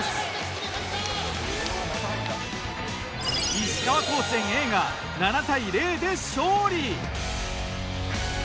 石川高専Ａが７対０で勝利。